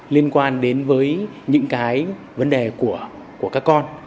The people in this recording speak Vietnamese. liên quan đến với những cái vấn đề của các con